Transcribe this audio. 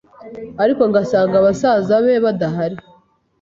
ariko ngasanga basaza be badahari.